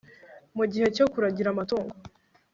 mugihe cyo kuragira amatungo